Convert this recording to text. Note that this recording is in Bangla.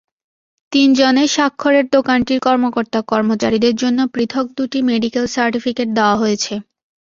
তিনজনের স্বাক্ষরে দোকানটির কর্মকর্তা-কর্মচারীদের জন্য পৃথক দুটি মেডিকেল সার্টিফিকেট দেওয়া হয়েছে।